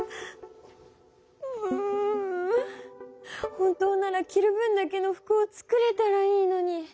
本当なら着る分だけの服を作れたらいいのに。